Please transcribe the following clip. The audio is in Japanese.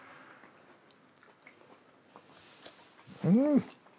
うん。